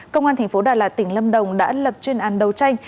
công an tp đà lạt tỉnh lâm đồng đã lập chuyên án đầu tranh